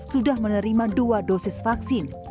sudah menerima vaksin